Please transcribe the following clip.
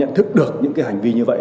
và họ nhận thức được những hành vi như vậy